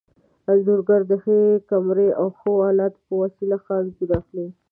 انځورګر د ښې کمرې او ښو الاتو په وسیله ښه انځور اخلي.